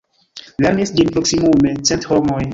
Lernis ĝin proksimume cent homoj.